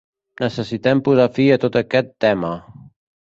Necessitem posar fi a tot aquest tema.